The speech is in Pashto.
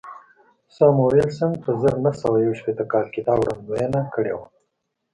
ساموېلسن په زر نه سوه یو شپېته کال کې دا وړاندوینه کړې وه